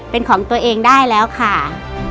เป็นของตัวเองได้แล้วค่ะ